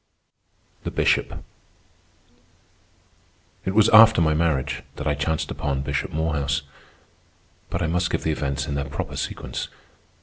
THE BISHOP It was after my marriage that I chanced upon Bishop Morehouse. But I must give the events in their proper sequence.